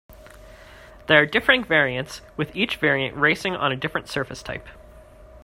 There are differing variants, with each variant racing on a different surface type.